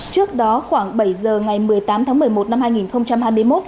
trước đó khoảng bảy giờ ngày một mươi tám tháng một mươi một năm hai nghìn hai mươi một